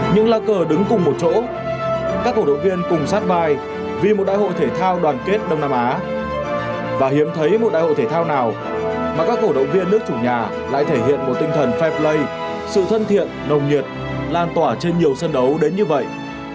những lá cờ đứng cùng một chỗ các cổ động viên cùng sát mai vì một đại hội thể thao đoàn kết đông nam á và hiếm thấy một đại hội thể thao nào mà các cổ động viên nước chủ nhà lại thể hiện một tinh thần fair play sự thân thiện nồng nhiệt lan tỏa trên nhiều sân đấu đến như vậy